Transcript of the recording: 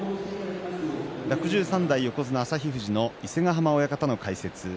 ６３代横綱旭富士の伊勢ヶ濱親方の解説です。